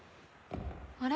あれ？